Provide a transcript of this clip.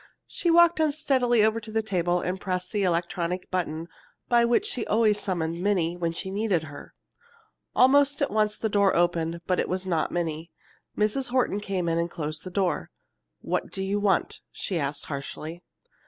She walked unsteadily over to the table and pressed the electric button by which she always summoned Minnie when she needed her. Almost at once the door opened; but it was not Minnie. Mrs. Horton came in and closed the door. "What do you want?" she asked harshly.